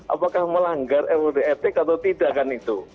apakah melanggar eude etik atau tidak kan itu